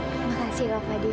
terima kasih pak fadil